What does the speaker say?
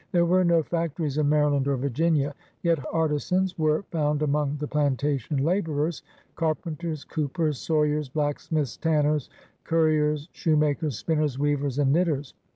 There were no fac tories in Maryland or Virginia. Yet artisans were found among the plantation laborers — "carpen ters, coopers, sawyers, blacksmiths, tanners, curri ers, shoemakers, spinners, weavers, and knitters.''